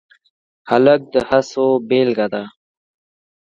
هلک د هڅو بیلګه ده.